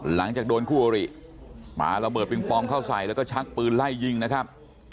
หลังจากโดนคู่อริมาระเบิดปิงปองเข้าใส่แล้วก็ชักปืนไล่ยิงนะครับ